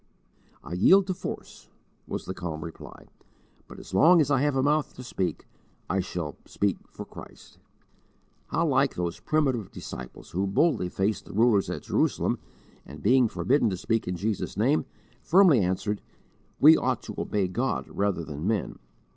"I yield to force," was the calm reply, "but as long as I have a mouth to speak I shall speak for Christ." How like those primitive disciples who boldly faced the rulers at Jerusalem, and, being forbidden to speak in Jesus' name, firmly answered: "We ought to obey God rather than men.